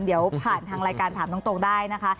เดี๋ยวผ่านทางรายการถามตรงได้นะคะ